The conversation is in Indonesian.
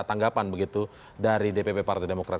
tanggapan begitu dari dpp partai demokrat